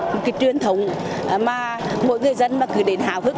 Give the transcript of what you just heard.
một kỳ truyền thống mà mỗi người dân cứ đến hào hức